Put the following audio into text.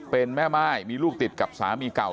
เป็นแม่ม่ายมีลูกติดกับสามีเก่า